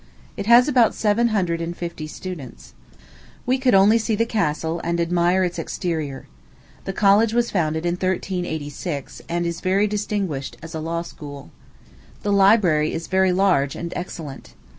It has about seven hundred and fifty students. We could only see the castle, and admire its exterior. The college was founded in 1386, and is very distinguished as a law school. The library is very large and excellent.